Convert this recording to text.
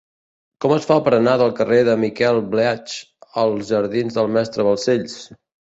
Com es fa per anar del carrer de Miquel Bleach als jardins del Mestre Balcells?